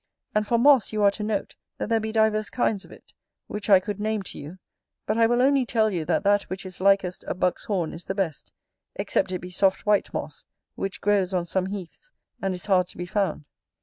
And for moss, you are to note, that there be divers kinds of it, which I could name to you, but I will only tell you that that which is likest a buck's horn is the best, except it be soft white moss, which grows on some heaths, and is hard to be found.